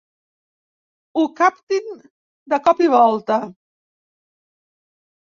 Ho captin de cop i volta.